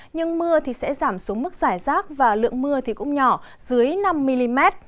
nhưng mưa sẽ giảm xuống mức giải rác và lượng mưa cũng nhỏ dưới năm mm